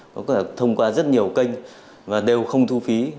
có thể thông qua rất nhiều kênh và đều không thu phí